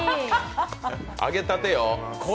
揚げたてよ。